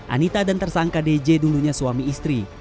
anita dan tersangka dj dulunya suami istri